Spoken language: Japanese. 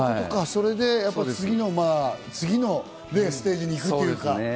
それで次のステージに行くというか。